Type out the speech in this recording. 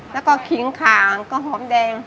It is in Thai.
แล้วก็ขิงขางก็หอมแดง